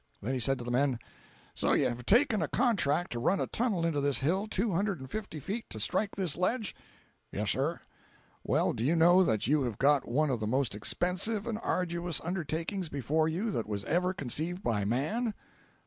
Then he said to the men: "So you have taken a contract to run a tunnel into this hill two hundred and fifty feet to strike this ledge?" "Yes, sir." "Well, do you know that you have got one of the most expensive and arduous undertakings before you that was ever conceived by man?"